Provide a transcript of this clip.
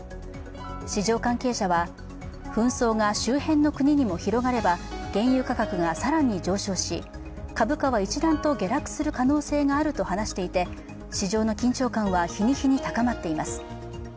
市場関係者は紛争が周辺の国にも広がれば原油価格が更に上昇し株価は一段と下落する可能性があると話していて、市場の緊張感は日に日に高まっています。